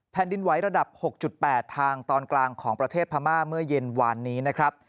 ดินไหวระดับ๖๘ทางตอนกลางของประเทศพม่าเมื่อเย็นวานนี้นะครับ